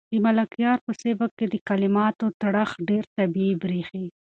د ملکیار په سبک کې د کلماتو تړښت ډېر طبیعي برېښي.